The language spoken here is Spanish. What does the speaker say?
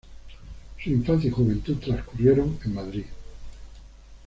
Su infancia y juventud transcurrieron en Madrid.